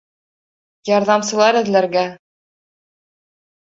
Ярҙамсылар эҙләргә...